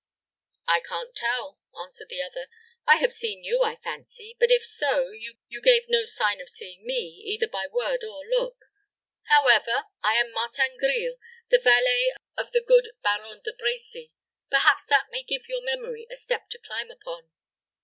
"I can't tell," answered the other. "I have seen you, I fancy; but if so, you gave no sign of seeing me, either by word or look. However, I am Martin Grille, the valet of the good Baron de Brecy. Perhaps that may give your memory a step to climb upon."